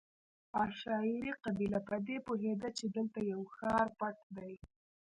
عشایري قبیله په دې پوهېده چې دلته یو ښار پټ دی.